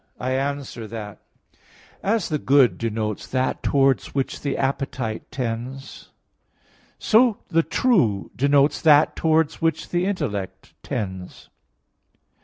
I answer that, As the good denotes that towards which the appetite tends, so the true denotes that towards which the intellect tends.